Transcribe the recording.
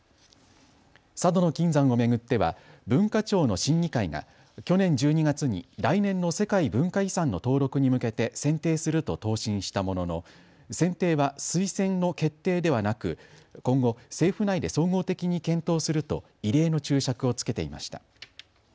佐渡島の金山を巡っては文化庁の審議会が去年１２月に来年の世界文化遺産の登録に向けて選定すると答申したものの選定は推薦の決定ではなく今後、政府内で総合的に検討すると異例の注釈をつけていました。